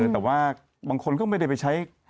แต่ว่าบางคนก็ไม่ได้ไปใช้